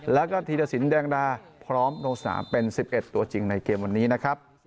แล้วก็ธีรสินแดงดาพร้อมลงสนามเป็น๑๑ตัวจริงในเกมวันนี้นะครับ